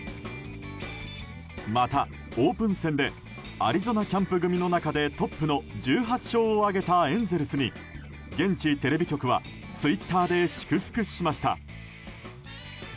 また、オープン戦でアリゾナキャンプ組の中でトップの１８勝を挙げたエンゼルスに現地テレビ局はツイッターで祝福しました。